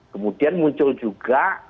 kemudian muncul juga